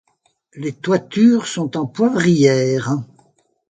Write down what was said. Les toitures sont en poivrière.